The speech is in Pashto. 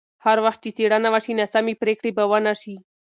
هر وخت چې څېړنه وشي، ناسمې پرېکړې به ونه شي.